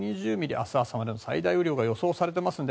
明日朝までの最大雨量が予想されています。